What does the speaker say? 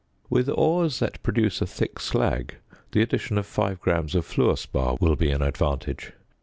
With ores that produce a thick slag the addition of 5 grams of fluor spar will be an advantage.